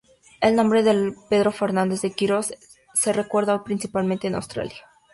El nombre de Pedro Fernández de Quirós se recuerda hoy principalmente en Australia.